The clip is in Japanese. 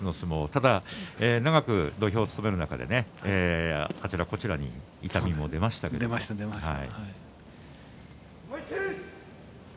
ただ長く土俵を務める中であちらこちらに出ました、出ました。